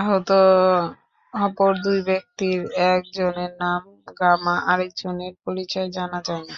আহত অপর দুই ব্যক্তির একজনের নাম গামা, আরেকজনের পরিচয় জানা যায়নি।